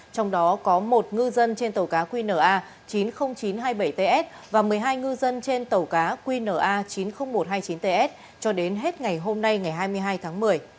trong đó có một ngư dân trên tàu cá qna chín mươi nghìn chín trăm hai mươi bảy ts và một mươi hai ngư dân trên tàu cá qna chín mươi nghìn một trăm hai mươi chín ts cho đến hết ngày hôm nay ngày hai mươi hai tháng một mươi